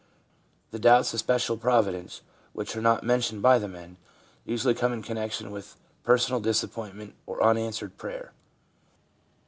The doubts of special providence, which are not mentioned by the men, usually come in connection with personal disappointment or unanswered prayer.